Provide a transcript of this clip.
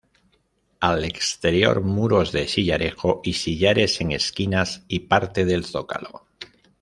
Al exterior muros de sillarejo y sillares en esquinas y parte del zócalo.